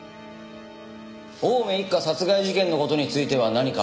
青梅一家殺害事件の事については何か？